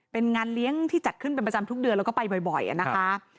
เป็นงานเลี้ยงที่จัดขึ้นเป็นประจำทุกเดือนแล้วก็ไปบ่อยนะคะ